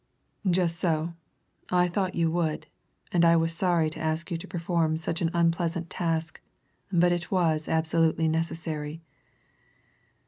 "Just so. I thought you would, and I was sorry to ask you to perform such an unpleasant task but it was absolutely necessary.